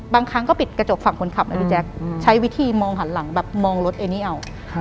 บางครั้งก็ปิดกระจกฝั่งคนขับนะพี่แจ๊คใช้วิธีมองหันหลังแบบมองรถเอนี่เอา